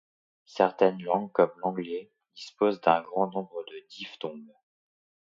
Certaines langues comme l'anglais disposent d'un grand nombre de diphtongues.